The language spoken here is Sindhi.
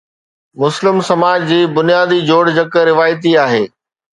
مسلم سماج جي بنيادي جوڙجڪ روايتي آهي.